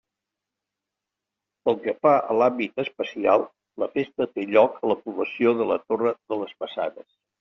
Pel que fa a l'àmbit espacial, la festa té lloc a la població de la Torre de les Maçanes.